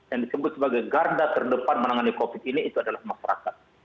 yang disebut sebagai garda terdepan menangani covid sembilan belas ini adalah masyarakat